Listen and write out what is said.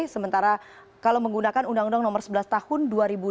sementara kalau menggunakan undang undang nomor sebelas tahun dua ribu dua